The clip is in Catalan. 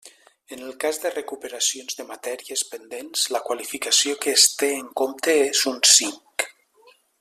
En el cas de recuperacions de matèries pendents, la qualificació que es té en compte és un cinc.